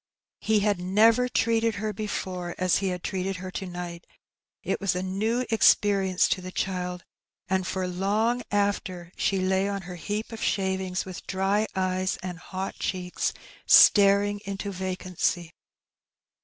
He had never treated her before as he had treated her to night; it was a new experience to the child, and for long after she lay on her heap of shavings with dry eyes and hot cheeks, staring into vacancy.